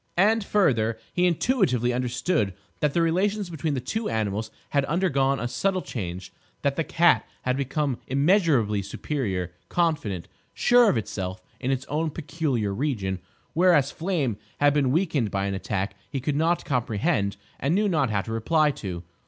And, further, he intuitively understood that the relations between the two animals had undergone a subtle change: that the cat had become immeasurably superior, confident, sure of itself in its own peculiar region, whereas Flame had been weakened by an attack he could not comprehend and knew not how to reply to.